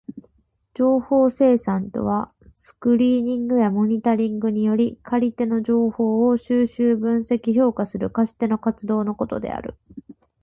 情報生産とはスクリーニングやモニタリングにより借り手の情報を収集、分析、評価する貸し手の活動のことである。